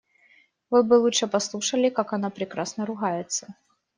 Вы бы лучше послушали, как она прекрасно ругается.